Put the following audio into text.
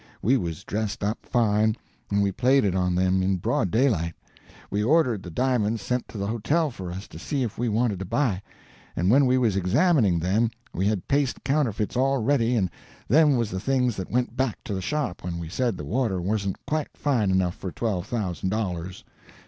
We was dressed up fine, and we played it on them in broad daylight. We ordered the di'monds sent to the hotel for us to see if we wanted to buy, and when we was examining them we had paste counterfeits all ready, and them was the things that went back to the shop when we said the water wasn't quite fine enough for twelve thousand dollars."